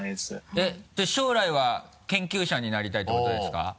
えっじゃあ将来は研究者になりたいってことですか？